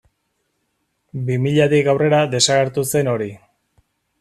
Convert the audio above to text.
Bi milatik aurrera desagertu zen hori.